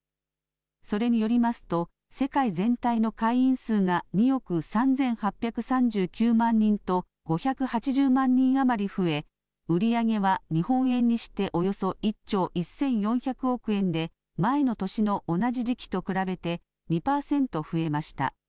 それによりますと世界全体の会員数が２億３８３９万人と５８０万人余り増え売り上げは日本円にしておよそ１兆１４００億円で前の年の同じ時期と比べて２％増えました。